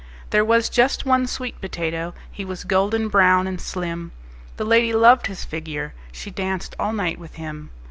"There was just one sweet potato. He was golden brown and slim: The lady loved his figure. She danced all night with him.